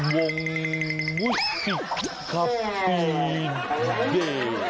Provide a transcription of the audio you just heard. วงมุษิกฟีนเด